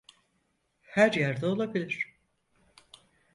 Her yerde olabilir.